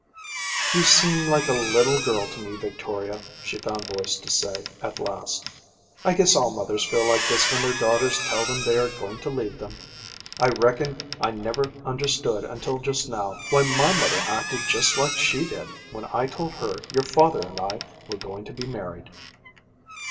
'You seem like a little girl to me, Victoria,' she found voice to say, at last. 'I guess all mothers feel like this when their daughters tell them they are going to leave them. I reckon I never understood until just now, why my mother acted just like she did when I told her your father and I were going to be married.'